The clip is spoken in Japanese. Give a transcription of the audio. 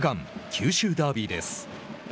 九州ダービーです。